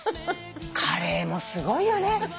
カレーもすごいよね。